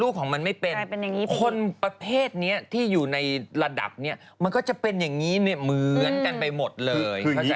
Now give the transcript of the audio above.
ของมันไม่เป็นคนประเภทนี้ที่อยู่ในระดับนี้มันก็จะเป็นอย่างนี้เหมือนกันไปหมดเลย